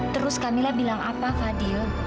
terus camilla bilang apa fadil